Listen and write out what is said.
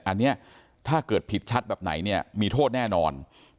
อันนี้ถ้าเกิดผิดชัดแบบไหนเนี่ยมีโทษแน่นอน